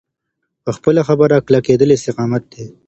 په خپله خبره کلکېدل استقامت دی.